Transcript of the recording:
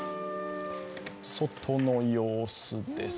外の様子です。